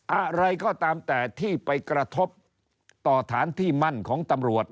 อะไรก็ตามแต่ที่ไปกระทบต่อฐานที่มั่นของตำรวจ